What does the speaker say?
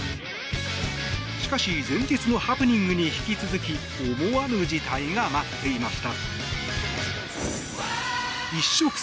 しかし前日のハプニングに引き続き思わぬ事態が待っていました。